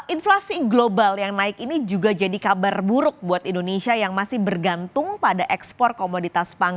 inflasi global yang naik ini juga jadi kabar buruk buat indonesia yang masih bergantung pada ekspor komoditas pangan